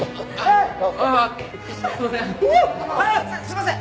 すいません。